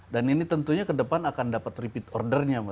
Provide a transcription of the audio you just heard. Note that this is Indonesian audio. dan ini tentunya kedepan akan dapat repeat ordernya